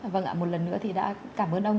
vâng ạ một lần nữa thì đã cảm ơn ông